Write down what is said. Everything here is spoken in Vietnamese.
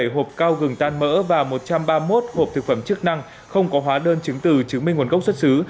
một mươi hộp cao gừng tan mỡ và một trăm ba mươi một hộp thực phẩm chức năng không có hóa đơn chứng từ chứng minh nguồn gốc xuất xứ